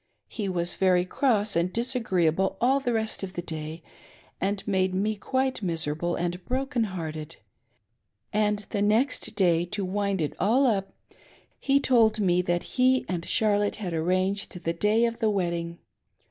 He was very cross and disagreeable all the rest of the day and made me quite miserable and broken hearted, and the next day, to wind it all up, he told me that he and Charlotte had arranged the day of the wedding.